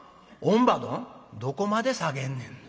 「どこまで下げんねん。